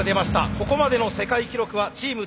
ここまでの世界記録はチームＴ大。